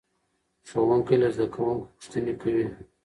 ښوونکی له زده کوونکو پوښتنې کوي.